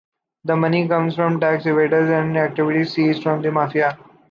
The money comes from tax evaders and activities seized from the mafia.